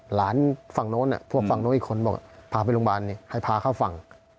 หลานฝั่งโน้นน่ะพวกฝั่งโน้นอีกคนบอกพาไปรุงบาลนี้ให้พาเข้าฝั่ง